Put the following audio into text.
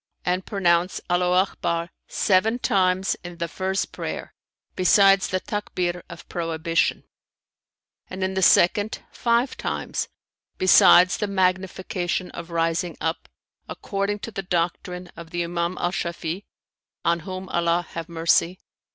'[FN#319] and pronounce 'Allaho Akbar' seven times in the first prayer, besides the Takbir of prohibition; and, in the second, five times, besides the magnification of rising up (according to the doctrine of the Imam Al Shafi'i, on whom Allah have mercy!)